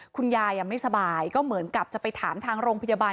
คุณยายไม่สบายก็เหมือนกับจะไปถามทางโรงพยาบาล